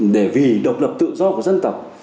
để vì độc lập tự do của dân tộc